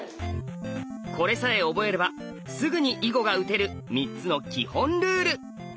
これさえ覚えればすぐに囲碁が打てる３つの基本ルール。